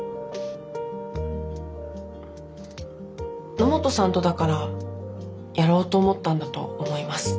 野本さんとだからやろうと思ったんだと思います。